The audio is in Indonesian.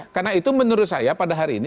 karena itu menurut saya pada hari ini